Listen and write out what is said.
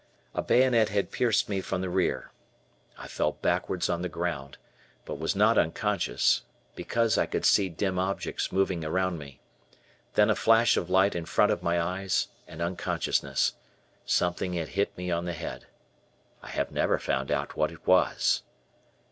A bayonet had pierced me from the rear. I fell backward on the ground, but was not unconscious, because I could see dim objects moving around me. Then a flash of light in front of my eyes and unconsciousness. Something had hit me on the head. I have never found out what it was.